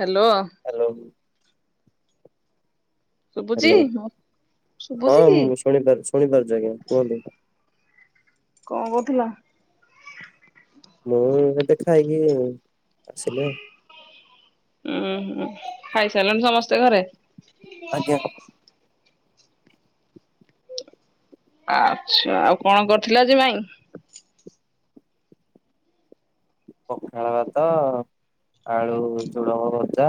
Hello. Hello. ଶୁଭୁଚି, hello ହଁ ଶୁଭୁଛି କି? ମୁଁ ଶୁଣିପାରୁ ଶୁଣିପାରୁଚି ଆଜ୍ଞା କୁହନ୍ତୁ। କଣ କରୁଥିଲ? ମୁଁ ଏବେ ଖାଇକି ଆସିଲି ଆଉ। ଉୁଁ-ହୁଁ, ଖାଇସାରିଲଣି ସମସ୍ତେ ଘରେ? ଆଜ୍ଞା। ଆଚ୍ଛା, ଆଉ କଣ କରିଥିଲ ଆଜି [unintelligible] ପଖାଳ ଭାତ, ଆଳୁ ଝୁଡଙ୍ଗ ଭଜା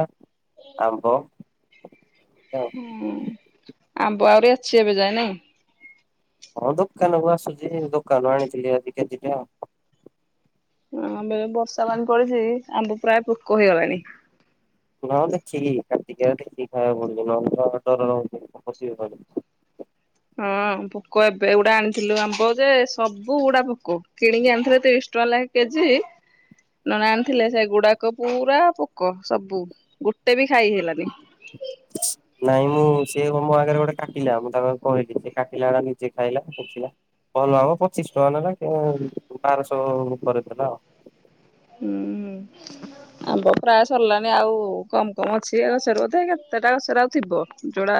ଆମ୍ୱ ହୁଁ, ଆମ୍ବ ଆହୁରି ଅଛି ଏବେ ଯାଏ ନାଇଁ? ହଁ ଦୋକାନ କୁ ଆସୁଚି, ଦୋକାନରୁ ଆଣିଥିଲି ଆଜି କେଜିଟା ଆଉ। ହଁ ଏବେ ବର୍ଷା ପାଣି ପଡିଚି, ଆମ୍ବ ପ୍ରାୟ ପୋକ ହେଇଗଲାଣି। [unintelligible] ଦେଖକି କାଟିକି ଦେଖି ଖାଇବା ପଡୁଚି ନହେଲେ ଡର ରହୁଚି [unintelligible] ହଁ ପୋକ ଏବେ ଗୁଡା ଆଣିଥିଲୁ ଆମ୍ବ ଯେ ସବୁଗୁଡା ପୋକ, କିଣିକି ଆଣିଥିଲୁ ତିରିଶ ଟଙ୍କା ଲେଖା କେଜି। ନନା ଆଣିଥିଲେ ସେଗୁଡାକ ପୁରା ପୋକ ସବୁ ଗୋଟେ ବି ଖାଇ ହେଲାନି। ନାଇଁ ମୁଁ ସେ [unintelligible] ମୋ ଆଗରେ ଗୋଟେ କାଟିଲା, ମୁଁ ତାରେ କହିଲି ସେ କାଟିଲା ନିଜେ ଖାଇଲା ଦେଖିଲା। ଭଲ ଆମ୍ୱ ପଚିଶ ଟଙ୍କା ନେଲା କି ବାରଶହ କରିଦେଲା ଆଉ। ହୁଁ। ଆମ୍ବ ପ୍ରାୟ ସରିଲାଣି ଆଉ କମ୍-କମ୍ ଅଛି, ଏ ଗଛରେ ବୋଧେ କେତେଟା ଗଛରେ ଆଉ ଥିବ ଯୋଟା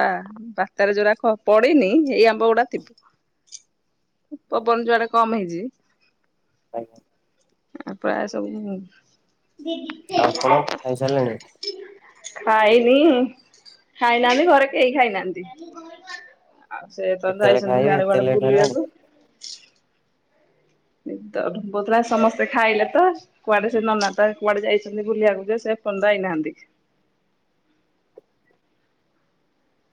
ବାତ୍ୟାରେ ଯୋଉରାକ ପଡିନି ଏଇ ଆମ୍ବ ଗୋଡା ଥିବ। ପବନ୍ ଯୁଆଡେ କମ୍ ହେଇଚି [inaudible] ଆଉ ପା ସବୁ ଆଉ ଆପଣ ଖାଇସାରିଲେଣି? ଖାଇନି, ଖାଇନାହାନ୍ତି ଘରେ କେହି ଖାଇନାହାନ୍ତି। ଆଉ ସେ ତ କେତେବେଳେ ଯାଇଛନ୍ତି ଖାଇବେ ସିଆଡେ ଏତେ କୁଆଡ଼େ ଲେଟ୍ ହେଲାଣି ବୁଲିବାକୁ। ନିଦ [unintelligible] ସମସ୍ତେ ଖାଇଲେ ତ। କୁଆଡେ ସେ ନନା ତାର କୁଆଡେ ଯାଇଛନ୍ତି ବୁଲିବାକୁ ଯେ ସେ ଏ ପର୍ଯ୍ୟନ୍ତ ଆଇନାହାନ୍ତି।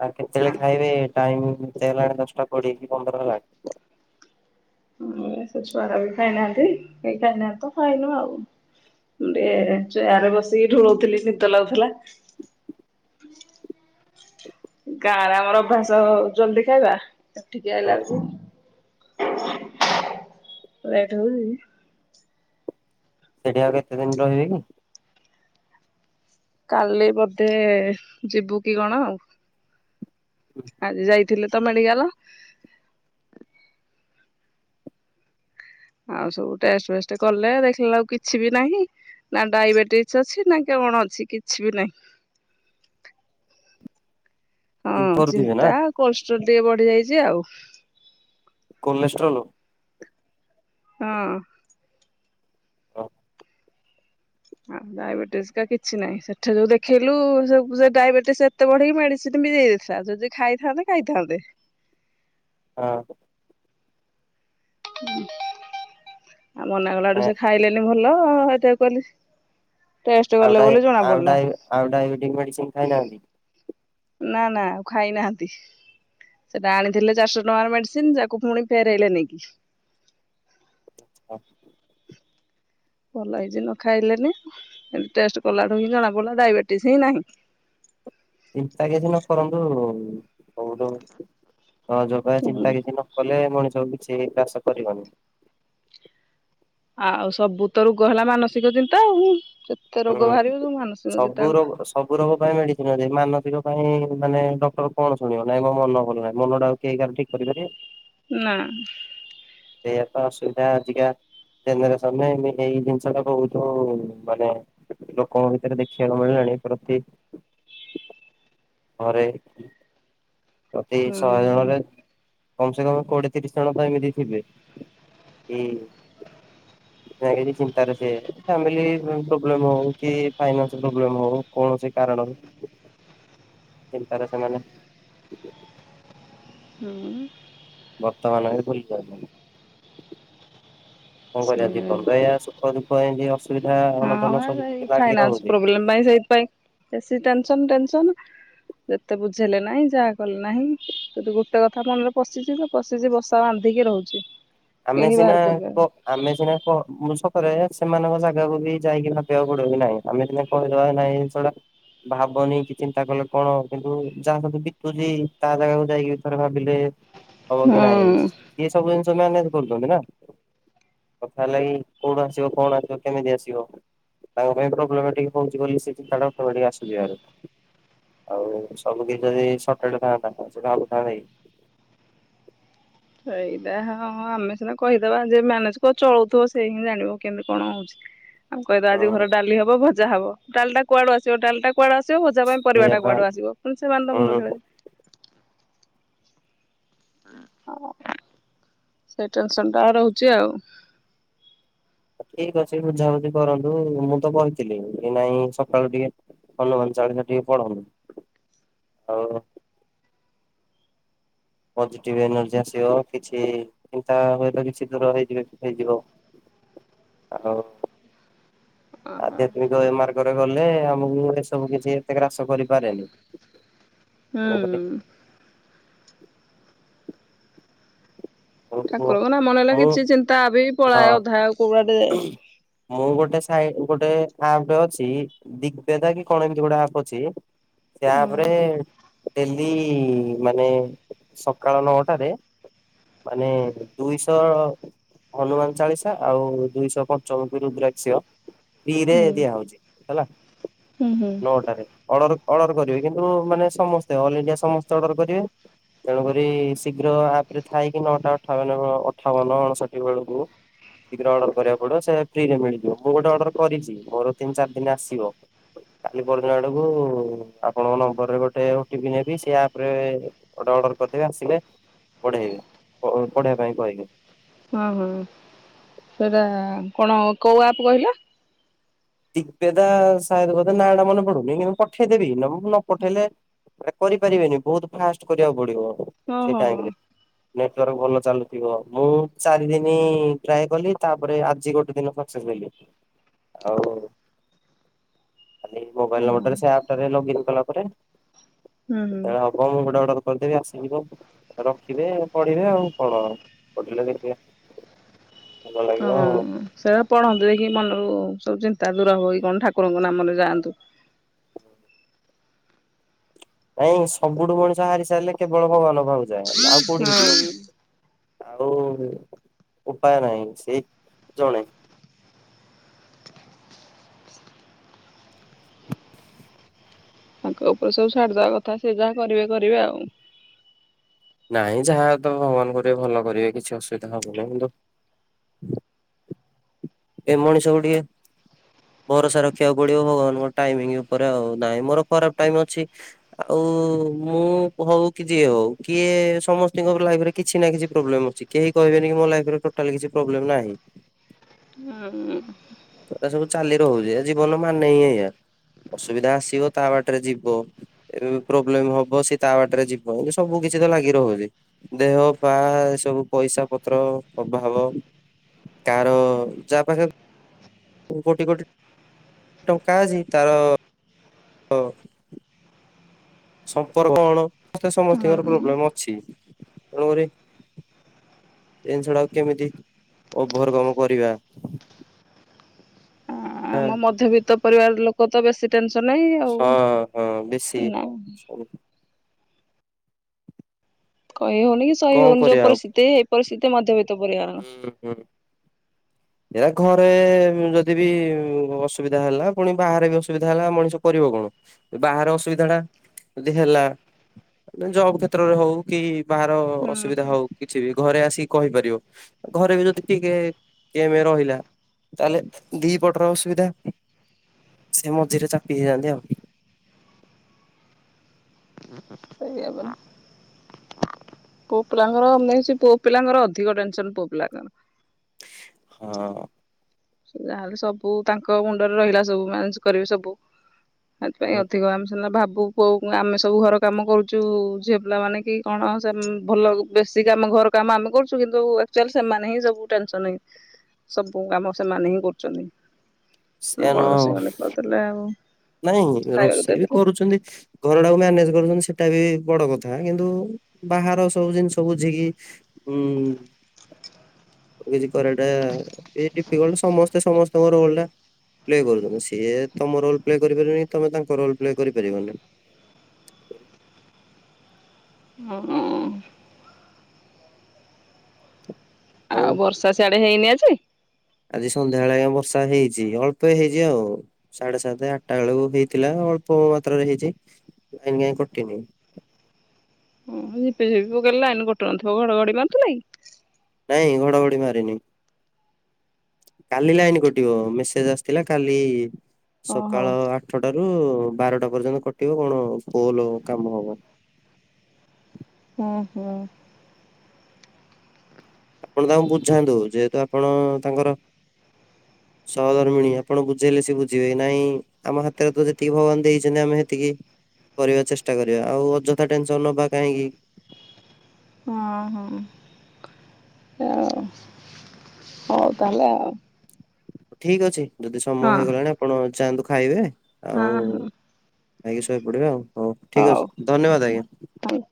ଆଉ କେତେଳେ ଖାଇବେ ଟାଇମ୍ କେତେ ହେଲାଣି, ଦଶଟା କୋଡିଏ କି ପନ୍ଦର ହେଲାଣି। ହଁ ସେ ଛୁଆରା ବି ଖାଇନାହାନ୍ତି, କେହି ଖାଇନାହାନ୍ତି ତ ଖାଇନୁ ଆଉ। ମୁଁ ଟିକେ ଚେୟାର ରେ ବସିକି ଢୁ ଉଥିଲି ଶୀତ ଲାଗୁଥିଲା ଗାଁରେ ଆମର ଅଭ୍ୟାସ ଜଲ୍ଦି ଖାଇବା, ଏଠିକି ତ ଆଇଲା ବେ ବେଳୁକୁ ଲେଟ୍ ହଉଚି। ସେଠି ଆଉ କେତେ ଦିନ୍ ରହିବେ କି? କାଲି ବୋଧେ ଯିବୁ କି କଣ ଆଉ। ଆଜି ଯାଇଥିଲେ ତ ମେଡିକାଲ। ଆଉ ସବୁ ଟେଷ୍ଟ ଫେଷ୍ଟ କଲେ ଦେଖିଲା ବେଳକୁ କିଛି ବି ନାହିଁ। ନା ଡାଇବେଟିସ୍ ଅଛି ନା କଣ ଅଛି କିଛି ବି ନାହିଁ। ହଁ କରୁଥିବେ ନା ଚିନ୍ତା କୋଲଷ୍ଟ୍ରୋଲ୍ ଟିକେ ବଢି ଯାଇଚି ଆଉ। କୋଲେଷ୍ଟ୍ରୋଲ? ହଁ ଓ ଆ। ଡାଇବେଟିସ୍ କା କିଛି ନାହିଁ ସେଠି ଯୋଉ ଦେଖେଇଲୁ ସେ ଡାଇବେଟିସ୍ ଏତେ ବଢିକି ମେଡିସିନ ବିଦେଇ ଦେଇଥିଲା ଯଦି। ଖାଇଥାନ୍ତେ ଖାଇଥାନ୍ତେ। ହଁ। ଆଉ ମନା କଲାଠୁ ସେ ଖାଇଲେନି ଭଲ ସେଇଥିପାଇଁ କହିଲି। ଟେଷ୍ଟ ଆଉ କଲେ ଡାଇ ବୋଲି ଜଣା ଆଉ ପଡିଲା। ଡାଇ ଆଉ ଡାଇବେଟିସ ମେଡିସିନ ଖାଇନାହାନ୍ତି। ନା ନା ଆଉ ଖାଇ ନାହାନ୍ତି। ସେଟା ଆଣିଥିଲେ ଚାରିଶହ ଟଙ୍କାର ମେଡିସିନ ତାକୁ ପୁଣି ଫେରାଇଲେ ନେଇକି। ହ ଭଲ ହେଇଛି ନ ଖାଇଲେ ନାହିଁ ଏମିତି ଟେଷ୍ଟ କଲାଠୁ ହିଁ ଜଣା ପଡିଲା ଡାଇବେଟିସ୍ ହିଁ ନାହିଁ। ଚିନ୍ତା କିଛି ନ କରନ୍ତୁ କଉଠୁ ସହଯୋଗ ଚିନ୍ତା କିଛି ନ। କଲେ ମଣିଷ କିଛି ଚାଷ କରିବନି। ଆଉ ସବୁ ତ ରୋଗ ହେଲା ମାନସିକ ଚିନ୍ତା ଆଉ କେତେ ରୋଗ ବାହାରିବ ସବୁ ମାନସିକ ସବୁ ଚିନ୍ତା। ରୋଗ ସବୁ ରୋଗ ପାଇଁ ମେଡିସିନ ଅଛି ମାନସିକ ପାଇଁ ମାନେ ଡକ୍ଟର କଣ ଶୁଣିବ ନାହିଁ ମୋ ମନ ଭଲ ନାହିଁ ମନଟା। କେହି କାହାର ଠିକ କରିପାରିବେ। ନା ଏଇଆ ତ ଅସୁବିଧା ଆଜିକା ଜେନେରେସନ ରେ ଏ ଏଇ ଜିନିଷ ଟା ବହୁତ ମାନେ। ଲୋକଙ୍କ ଭିତରେ ଦେଖିବାକୁ ମିଳିଲାଣି ପ୍ରତି। ହ ଘରେ ପ୍ରତି ଶହେ ହୁଁ ଜଣରେ। କମ ସେ କମ କୋଡିଏ ତିରିଶ ଜଣ ତ ଏମିତି ଥିବେ ହୁଁ। ନା କିଛି ଚିନ୍ତାରେ ସେ ଫାମିଲ ପ୍ରୋବ୍ଲେମ ହଉ କି। ଫାଇନାନ୍ସ ପ୍ରୋବଲେମ ହଉ କୌଣସି କାରଣରୁ ଚିନ୍ତାରେ ସେମାନେ। [unintelligible] ହଁ ବର୍ତ୍ତମାନ ବି ଭୁଲି ଯାଉଛନ୍ତି କଣ ସେ କରିବା ଜୀବନ ତ ଏଇଆ ସୁ ସୁଖ ଦୁଃଖ ଏମିତି ଅସୁବିଧା ଅନଧନ ସବୁ ବିଭିନ୍ନ ଲାଗି ରହୁଛି। ନାଇ ସେଇଥିପାଇଁ ବେଶୀ ଟେନସନ ଟେନସନ। ଯେତେ ବୁଝେଇଲେ ନାହିଁ ଯାହା କଲେ ନାହିଁ ଯଦି ଗୋଟେ କଥା ମନରେ ପଶିଯିବ ତ। ପଶିଛି ବସା ବାନ୍ଧିକି ରହୁଛି। ଆମେ କେହି ସିନା ବାହାର କରିପାରୁନି କ- ଆମେ ସିନା କ ମୁ ଷକରେ ସେମାନଙ୍କ ଜାଗାକୁ ବି ଯାଇକି ମାପିବାକୁ ପଡିବ କି ନାହିଁ। ଆମେ ସିନା କହିଦେବା ନାହିଁ ଏଇ ଜିନିଷଟା ଭାବନି କି ଚିନ୍ତା କଲେ କଣ ହ କିନ୍ତୁ ଯାହା ସହିତ ବିତୁଛି। ତା ଜାଗାକୁ ଯାଇକି ଥରେ ଭାବିଲେ। ହବ କି ନାଇଁ ହୁଁ। ଏ ସବୁ ଜିନିଷ ମ୍ୟାନେଜ କରୁଛନ୍ତି ନା। କଥା ହେଲା କିି କୋଉଠୁ ଆସିବ କଣ ଆସିବ କେମିତି ଆସିବ। ତାଙ୍କ ପାଇଁ ପ୍ରୋବ୍ଲେମ ଟିକେ ହଉଚି ବୋଲି ସେ ଚିନ୍ତା ଟା ଅଟମେଟିକ ଆସଯିବ ହାରି। ଆଉ ସବୁ କିଛି ଯଦି ସଟେଡ୍ ଥାଆନ୍ତା, ସେ କାହାକୁ କହନ୍ତେ କି ସେଇଟା ହଁ ଆମେ ସିନା କହିଦବା, ଯେ ମାନେଜ କୁ ଚଳଉଥିବ ସେଇ ହିଁ ଜାଣିବ କେମତି କଣ ହଉଚି। ଆମେ କହିଦବା ଆଜି ହଁ ଘର ଡାଲି ହବ। ଭଜା ହବ ଡାଲିଟା କୁଆଡୁ ଆସିବ ଡାଲିଟା କୁଆଡେ ଆସିବ ଭଜା ପାଇଁ ସେଇଆ ପରିବାଟା ପା କୁଆଡୁ ଆସିବ ସେମାନେ ତ ମୁଣ୍ଡ ହୁଁ। ଖେଳେଇବେ। ସେ ଟେନସନ ଟା ରହୁଛି ଆଉ। ଠିକ ଅଛି ବୁଝାବୁଝି କରନ୍ତୁ, ମୁଁ ତ ବହିଥିଲି କି ନାଇଁ ସକାଳୁ ଟିକେ ହନୁମାନ ଚାଳିଶା ଟିକେ ପଢନ୍ତୁ ଆଉ। ପଜେଟିଭ ଏନର୍ଜି ଆସିବ, କିଛି ଚିନ୍ତା ହେଲେ ବି କିଛି ଦୂର ହେଇଯିବ ହେଇଯିବ। ଆଉ। ଓହୋ ଆଧ୍ୟାତ୍ମିକ ମାର୍ଗରେ ଗଲେ ଆମକୁ ଏସବୁ କିଛି ଏତେ ଗ୍ରାସ କରିପାରେନି। ତେଣୁକରି ହୁଁ। ଠାକୁରଙ୍କ ନାମ ନେଲେ କିଛି ଚିନ୍ତା ବି ଆଛା। ପଳାଏ ଅଧା ଆଉ କୁଆଡେ ମୁଁ ଗୋଟେ ସାଇ ଗୋଟେ ଆପ୍ ଅଛି। ଦିଗବେଦା କି କଣ ଏମତି ଗୋଟେ ଆପ୍ ଅଛି। ସେ ହୁଁ ଆପରେ ଡେଲି ମାନେ ସକାଳ ନଅଟାରେ ମାନେ ଦୁଇଶହ ହନୁମାନ ଚାଳିଶା ଆଉ ଦୁଇଶହ ପଞ୍ଚମୁଖୀ ରୁଦ୍ରାକ୍ଷ ଫ୍ରୀରେ ହୁଁ ଦିଆ ହଉଛି। ହେଲା। ହୁଁ ହୁଁ। ନଅଟାରେ ଅର୍ଡର କରିବେ କିନ୍ତୁ ମାନେ ସମସ୍ତେ ଅଲ ଇଣ୍ଡିଆ ସମସ୍ତେ ଅର୍ଡର କରିବେ। ତେଣୁକରି ଶୀଘ୍ର ଆପ ରେ ଥାଇକି ନଅଟା ଅଠାବନ ଅଠାବନ ଅଣଷଠି ଏ ବେଳକୁ ଶୀଘ୍ର ଅର୍ଡର କରିବାକୁ ପଡିବ ସେ ଫ୍ରିରେ ମିଳିଯିବ। ମୁଁ ଗୋଟେ ଅର୍ଡର କରିଛି ମୋର ତିନି ଚାରି ଦିନରେ ଆସିବ। କାଲି ପହରି ଦିନ ଆଡକୁ ଆପଣଙ୍କ ନମ୍ବରରେ ଗୋଟେ ଓ ଟି ପି ନେବି ସେ ଆପରେ। ଗଟେ ଅର୍ଡର କରିଦେବେ ଆସିଲେ ପଢେଇବେ ପ ପଢେଇବା ପାଇଁ କହିବେ। ହଁ ହଁ ସେଇଟା କଣ କୋଉ ଆପ କହିଲ? ଦିଗବେଦା ସାୟଦ ବଧେ ନାଁ ଟା ମନେ ପଡୁନି କିନ୍ତୁ ପଠେଇଦେବି ନ ପଠେଇଲେ। କରିପାରିବେନି ବହୁତ ଫାଷ୍ଟ କରିବାକୁ ପଡିବ ହଁ ସେଇ ହଁ ହଁ। ଟାଇମ୍ରେ। ନେଟୱାର୍କ ଭଲ ଚାଲୁଥିବ। ମୁଁ ଚାରି ଦିନି ଟ୍ରାଏ କଲି ତାପରେ ଆଜି ଗୋଟେ ଦିନ ସକ୍ସେସ ହେଲି। ଆଉ ଖାଲି ହୁଁ ମୋବାଇଲ ନମ୍ବର ଟାରେ ସେ ଅପ୍ଟାରେ ଲଗିନ୍ କଲା ପରେ। ହୁଁ। ସେତେବେଳେ ହବ ମୁଁ ଗୋଟେ ଅର୍ଡର କରିଦେବି ଆସିଯିବ। ରଖିବେ ପଢିବେ ଆଉ କଣ ପଢ଼ିଲେ ଦେଖିବା। ହଁ ସେରା ପଢନ୍ତୁ ଦେଖି ମନରୁ ସବୁ ଚିନ୍ତା ଦୂର ହି କଣ ଠାକୁରଙ୍କ ନାମରେ ଯାଆନ୍ତୁ। ନାଇଁ ସବୁଠୁ ମଣିଷ ହାରି ସାରିଲେ କେବଳ ଭଗବାନ ପାଖଙ୍କୁ ଯାଏ ଆଉ କୋଉଠିକି ହଁ। ଯିବ। ଆଉ ଉପାୟ ନାହିଁ ସେଇ ଜଣେ। ତାଙ୍କ ଉପରେ ସବୁ ଛାଡିଦବା କଥା ସେ ଯାହା କରିବେ କରିବେ ଆଉ। ନାଇଁ ଯାହା ତ ଭଗବାନ କରିବେ ଭଲ କରିବେ କିଛି ଅସୁବିଧା ହବନିଁ କିନ୍ତୁ ଏ ମଣିଷ କୁ ଟିକିଏ ଭରସା ରଖିବାକୁ ପଡିବ ଭଗବାନଙ୍କୁ ଟାଇମ୍ ଉପରେ ଆଉ ନାହିଁ ମୋର ଖରାପ ଟାଇମ ଅଛି। ଆଉ ମୁଁ ହଉ କି ଯିଏ ହଉ କିଏ ସମସ୍ତଙ୍କ ଲାଇଫ ରେ କିଛି ନା କିଛି ପ୍ରୋବ୍ଲେମ ଅଛି। କେହି କହେବେନି କି ମୋ ଲାଇଫିରେ ଟୋଟାଲ କିଛି ପ୍ରୋବଲେମ୍ ନାହିଁ। ହୁଁ। ଏଟା ସବୁ ଚାଲି ରହୁଛି। ଜୀବନ ମାନେ ହିଁ ଏୟା ଅସୁବିଧା ଆସିବ ତା ବାଟରେ ଯିବ। ଏ ପ୍ରୋବ୍ଲେମ ହବ ସିଏ ତା ବାଟରେ ଯିବ। ଏ ସବୁ କିଛି ତ ଲାଗି ରହୁଛି। ଦେହ ପା ଏ ସବୁ ପଇସା ପତ୍ର ଅଭାବ- କାହାର ଯାହା ପାଖେ କୋଟି କୋଟି ଟଙ୍କା ଅଛି। ତାର ତ ସମ୍ପର୍କ କଣ ତ ସମସ୍ତଙ୍କର ହୁଁ ପୋବ୍ଲେମ ଅଛି ତେଣୁକରି ଜିନିଷଗୁଡା କେମିତି ଓଭର କମ କରିବା। ଆମ ମଧ୍ୟବିତ୍ତ ପରିବାର ଲୋକ ତ ବେଶୀ ଟେନସନ ନାହିଁ ହଁ ହଁ ବେଶୀ ଆଉ ନାଇଁ କହି ହଉନି କି ସହି କଣ ହଉନି ଯଉ କରିବା ଆଉ ପରିସ୍ଥିତି ପରିସ୍ଥିତି ମଧ୍ୟବିତ୍ତ ପରିବାର ହୁଁ -ହୁଁ-ହୁଁ - [inaudible] ଏ ଘରେ ଯଦି ବି ଅସୁବିଧା ହେଲା ପୁଣି ବାହାରେ ବି ଅସୁବିଧା ହେଲା ମଣିଷ କରିବ କଣ? ବାହାର ଅସୁବିଧା ଟା ଯଦି ହେଲା ଜବ କ୍ଷେତ୍ରରେ ହଉ କି ବାହାର ହୁଁ। ଅସୁବିଧା ହଉ କିଛି ବି ଘରେ ଆସିକି କହିପାରିବ। ଘରେ ବି ଯଦି ଟିକେ କେମ ରହିଲା। ତାହେଲେ ଦିପଟର ଅସୁବିଧା ସେ ମଝିରେ ଚାପି ହେଇଯାନ୍ତି ଆଉ। ସେଇଆ ବା ପୁଅ ପିଲାଙ୍କର ପୁଅ ପିଲାଙ୍କର ଅଧିକ ଟେନସନ ପୁଅ ପିଲାଙ୍କର ହଁ। ଯାହାହେଲେ ସବୁ ତାଙ୍କ ମୁଣ୍ଡରେ ରହିଲା ସବୁ ମ୍ୟାନେଜ କରିବେ ସବୁ ସେଥିପାଇଁ ହୁଁ, ଅଧିକ ଆମେ ସିନା ଭାବୁ କୋଉ ଆମେ ସବୁ ଘର କାମ କରୁଛୁ ଝିଅ ପିଲା ମାନେ କି କଣ ଭଲ ବେଶୀ କାମ ଘର କାମ ଆମେ କରୁଛୁ କିନ୍ତୁ ଆକଚୁଆଲି ସେମାନେ ହିଁ ସବୁ ଟେନସନ ସବୁ କାମ ସେମାନେ ହିଁ କରୁଛନ୍ତି। ଆମେ ସେୟା କଣ ନୁହଁ ଆଉ ରୋଷେଇ ଗଣ୍ଡେ କରିଦେଲେ ଆଉ ନାଇଁ ଖାଇବାକୁ ରୋଷେଇ ବି ଦେଇଦେଲେ କରୁଛନ୍ତି। ଘରଟାକୁ ମ୍ୟାନେଜ କରୁଛନ୍ତି ସେଟା ବି ବଡ କଥା କିନ୍ତୁ ବାହାର ସବୁ ଜିନିଷ ବୁଝିକି ଉଁ ଏ ଯୋଉ କରିବାଟା ଡିଫିକଲ୍ଟ କଣ ସମସ୍ତେ ସମସ୍ତଙ୍କ ରୋଲ ଟା ପ୍ଲେ କରିଦବ ସିଏ ତମ ରୋଲ ପ୍ଲେ କରିପାରିବେନି ତମେ ତାଙ୍କ ରୋଲ ପ୍ଲେ କରିପାରିବନି। ହଁ। ଆଉ ବର୍ଷା ସିଆଡେ ହେଇନି ଆଜି? ଆଜି ସନ୍ଧ୍ୟାବେଳେ ଆଜ୍ଞା ବର୍ଷା ହେଇଛି ଅଳ୍ପ ହେଇଛି ଆଉ ସାଢେ ସାତ ଆଠଟା ବେଳକୁ ହେଇଥିଲା ଅଳ୍ପ ମାତ୍ରାରେ ହେଇଛି ଲାଇନ କାହିଁକି କଟିନି? ଝିପିଝିପିରେ ଲାଇନ କଟି ନଥିବ ଘଡଘଡି ମାରୁୁଥିଲା କି? ନାଇଁ ଘଡଘଡି ମାରିନି। କାଲି ଲାଇନ କଟିବ ମେସେଜ ଆସିଥିଲା କାଲି ଓହୋ ସକାଳ ଆ ଆଠଟାରୁ ବାରଟା ପର୍ଯ୍ୟନ୍ତ କଟିବ କଣ ପୋଲ କାମ ହବ। ହୁଁ ହୁଁ। ଆପଣ ତାଙ୍କୁ ବୁଝାନ୍ତୁ ଯେହେତୁ ଆପଣ ତାଙ୍କର ସହଧର୍ମିଣୀ ଆପଣ ବୁଝେଇଲେ ସେ ବୁଝିବେ ନାଇଁ ଆମ ହାତରେ ତ ଯେତିକି ଭଗବାନ ଦେଇଛନ୍ତି ଆମେ ସେତିକି କରିବାକୁ ଚେଷ୍ଟା କରିବା ଆଉ ଅଯଥା ଟେନସନ ନବା କାହିଁକି? ହଁ ହଁ ହଁ ହଉ ତାହେଲେ ଆଉ ଠିକ ଅଛି ଯଦି ସମୟ ହଁ ହେଇଗଲାଣି ଆପଣ ଯାଆନ୍ତୁ ଖାଇବେ? ହଁ ଆଉ ହଁ। ଖାଇକି ଶୋଇ ପଡିବେ ଆଉ ହଉ ଠିକ ଅଛି ଧନ୍ୟବାଦ ଆଜ୍ଞା। ଥ୍ୟାଙ୍କ୍